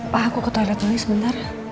pa aku ke toilet nanti sebentar